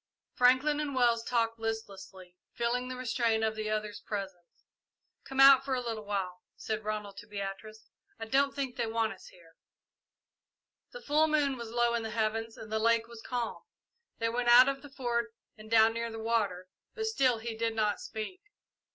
Franklin and Wells talked listlessly, feeling the restraint of the others' presence. "Come out for a little while," said Ronald to Beatrice. "I don't think they want us here." The full moon was low in the heavens and the lake was calm. They went out of the Fort and down near the water, but still he did not speak.